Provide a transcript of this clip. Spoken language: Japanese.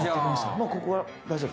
もうここは大丈夫？